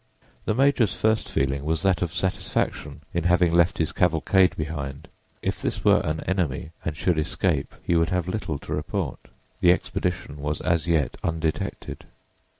The major's first feeling was that of satisfaction in having left his cavalcade behind; if this were an enemy and should escape he would have little to report. The expedition was as yet undetected.